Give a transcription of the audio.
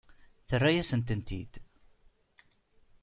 Terra-yasent-tent-id.